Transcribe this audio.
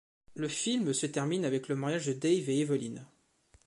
Le film se termine avec le mariage de Dave et Evelyn.